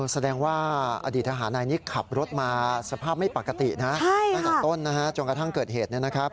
แสดงว่าอดีตอาหารนายนี่ขับรถมาสภาพไม่ปกตินะจนกระทั่งเกิดเหตุเนี่ยนะครับ